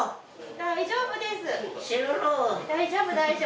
大丈夫大丈夫。